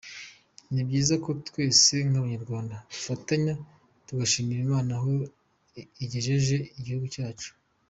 Ni byiza ko twese nk’Abanyarwanda dufatanya tugashima Imana aho igejeje igihugu cyacu.